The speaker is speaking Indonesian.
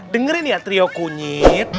dengerin ya trio kunyit